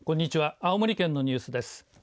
青森県のニュースです。